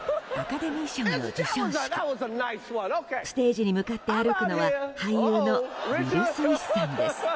ステージに向かって歩くのは俳優のウィル・スミスさんです。